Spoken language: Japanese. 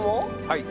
はい。